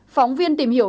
phóng viên tìm hiểu